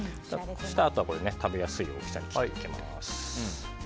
あとは食べやすい大きさに切りたいと思います。